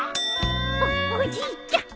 おっおじいちゃん。